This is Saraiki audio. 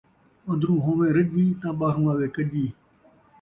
اندروں ہوویں رڄی، تاں ٻاہروں آوی کڄی